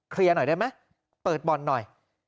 เคลียร์หน่อยได้ไหมเปิดบอลหน่อย